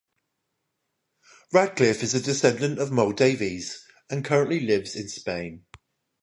Radcliffe is a descendant of Moll Davies and currently lives in Spain.